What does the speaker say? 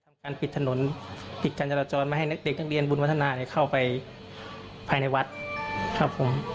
ทำการปิดถนนปิดการจราจรไม่ให้เด็กนักเรียนบุญวัฒนาเข้าไปภายในวัดครับผม